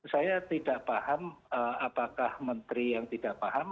saya tidak paham apakah menteri yang tidak paham